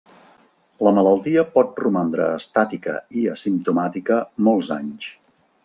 La malaltia pot romandre estàtica i asimptomàtica molts anys.